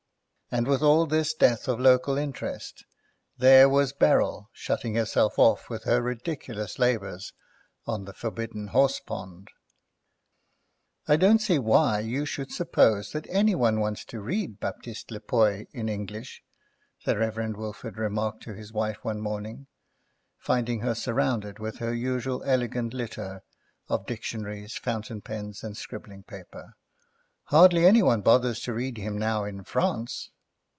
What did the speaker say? And with all this death of local interest there was Beryl shutting herself off with her ridiculous labours on The Forbidden Horsepond. "I don't see why you should suppose that any one wants to read Baptiste Lepoy in English," the Reverend Wilfrid remarked to his wife one morning, finding her surrounded with her usual elegant litter of dictionaries, fountain pens, and scribbling paper; "hardly any one bothers to read him now in France."